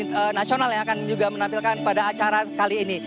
internasional yang akan juga menampilkan pada acara kali ini